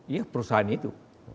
iya perusahaan itu